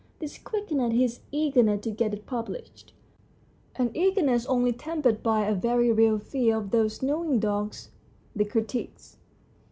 This quickened his eagerness to get it published an eagerness only tempered by a very real fear of those knowing dogs, the critics.